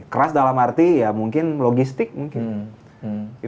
keras dalam arti ya mungkin logistik mungkin